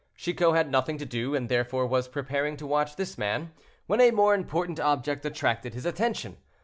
Chicot had nothing to do, and therefore was preparing to watch this man, when a more important object attracted his attention.